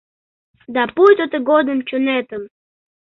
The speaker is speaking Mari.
Да пуйто тыгодым чонетым